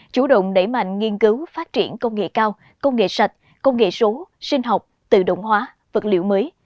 chủ động đẩy mạnh nghiên cứu phát triển công nghệ cao công nghệ sạch công nghệ số sinh học tự động hóa vật liệu mới